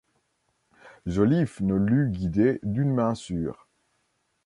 Joliffe ne l’eût guidé d’une main sûre.